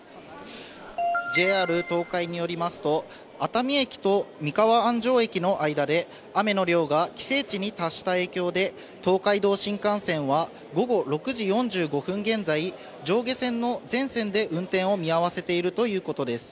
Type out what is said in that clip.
ＪＲ東海によりますと、熱海駅と三河安城駅の間で、雨の量が規制値に達した影響で、東海道新幹線は午後６時４５分現在、上下線の全線で運転を見合わせているということです。